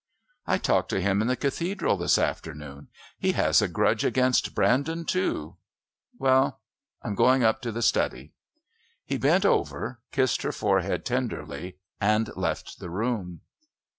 "I talked to him in the Cathedral this afternoon. He has a grudge against Brandon too...Well, I'm going up to the study." He bent over, kissed her forehead tenderly and left the room.